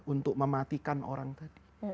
untuk mematikan orang tadi